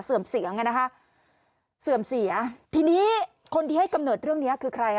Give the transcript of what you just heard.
เสียงอ่ะนะคะเสื่อมเสียทีนี้คนที่ให้กำเนิดเรื่องเนี้ยคือใครอ่ะ